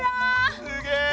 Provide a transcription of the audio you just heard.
すげえ！